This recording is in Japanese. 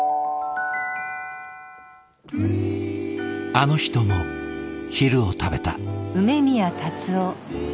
あの人も昼を食べた。